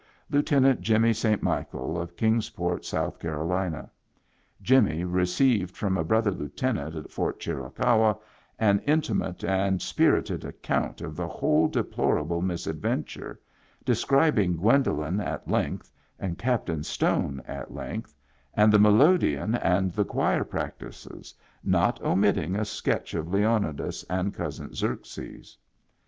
Lieutenant Jimmy St. Michael, of Kings Port, South Carolina. Jimmy received from a brother lieutenant at Fort Chiri cahua an intimate and spirited account of the whole deplorable misadventure, describing Gwen dolen at length, and Captain Stone at length, and the melodeon, and the choir practices, not omit ting a sketch of Leonidas and Cousin Xerxes.